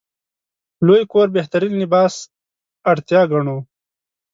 لوی کور بهترین لباس اړتیا ګڼو.